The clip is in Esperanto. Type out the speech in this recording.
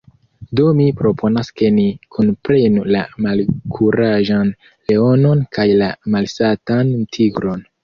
Do mi proponas ke ni kunprenu la Malkuraĝan Leonon kaj la Malsatan Tigron.